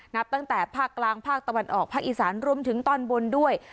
นับตั้งแต่ภาคกลางภาคตะวันออกภาคอีสานรวมถึงตอนบนด้วย